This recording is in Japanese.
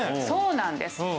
そうなんです。